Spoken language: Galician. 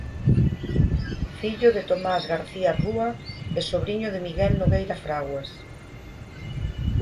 Fillo de Tomás García Rúa e sobriño de Miguel Nogueira Fraguas.